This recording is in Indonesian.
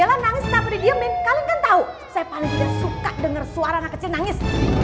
kalau nangis tak paham didiemin kalian tahu saya paling suka dengar suara anak kecil nangis